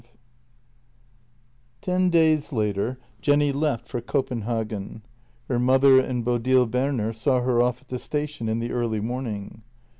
V T EN days later Jenny left for Copenhagen. Her mother and Bodil Berner saw her off at the station in the early morning.